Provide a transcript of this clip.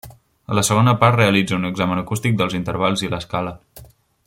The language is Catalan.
A la segona part realitza un examen acústic dels intervals i l'escala.